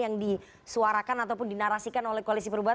yang disuarakan ataupun dinarasikan oleh koalisi perubahan